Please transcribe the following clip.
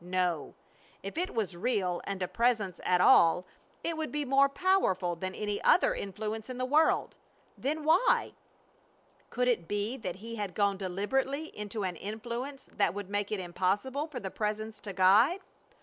No. If it was real and a Presence at all it would be more powerful than any other influence in the universe. Then why? Could it be that he had gone deliberately into an influence that would make it impossible for the Presence to guide?